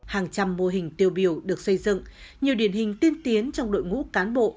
hàng trăm mô hình tiêu biểu được xây dựng nhiều điển hình tiên tiến trong đội ngũ cán bộ